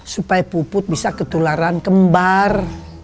supaya puput bisa ketularan kembar